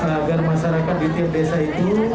agar masyarakat di tiap desa itu